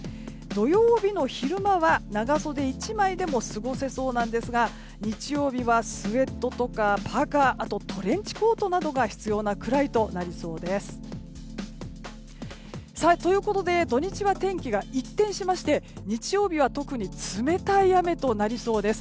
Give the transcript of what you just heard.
土曜日の昼間は長袖１枚でも過ごせそうですが日曜日は、スウェットとかパーカあとトレンチコートなどが必要なくらいとなりそうです。ということで土日は天気が一転しまして日曜日は特に冷たい雨となりそうです。